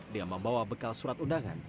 dia membawa bekal surat undangan